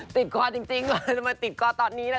ติดกอดจริงกว่าจะมาติดกอดตอนนี้นะคะ